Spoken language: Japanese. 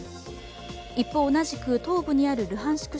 一方、同じく東部にあるルハンシク